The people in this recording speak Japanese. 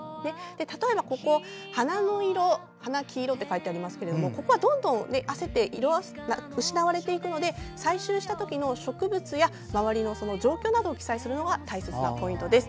例えば、ここ花は黄色と書いてありますけどここは、どんどん色あせて失われていくので採集した時の植物や周りの状況などを記載するのが大切なポイントです。